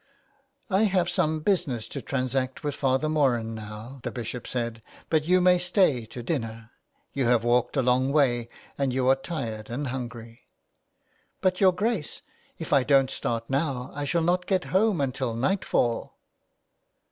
" I have some business to transact with Father Moran now," the Bishop said, " but you must stay to dinner. You have walked a long way, and you are tired and hungry." " But, your Grace, if I don't start now, I shall not get home until nightfall."